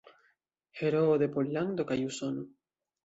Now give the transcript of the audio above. Heroo de Pollando kaj Usono.